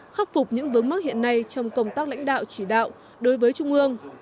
khắc phục những vướng mắc hiện nay trong công tác lãnh đạo chỉ đạo đối với trung ương